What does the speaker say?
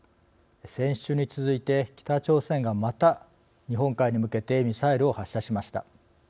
先週に続いて北朝鮮がまた日本海に向けてミサイルを発射しました。